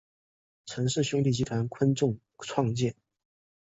陈氏兄弟集团昆仲创建。